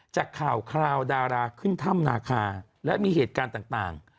จากข่าวคราวดาราขึ้นถ้ำนาคาและมีเหตุการณ์ต่าง